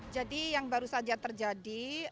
jadi yang baru saja terjadi